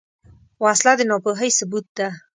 وسله د ناپوهۍ ثبوت ده